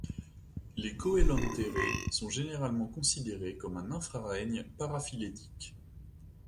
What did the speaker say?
Les cœlentérés sont généralement considérés comme un infra-règne paraphylétique.